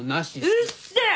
うっせえ！